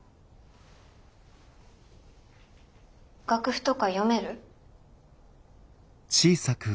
楽譜とか読める？